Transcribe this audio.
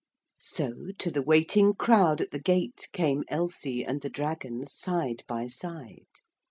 So, to the waiting crowd at the gate came Elsie and the dragon side by side.